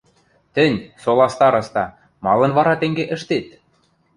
– Тӹнь, сола староста, малын вара тенге ӹштет?!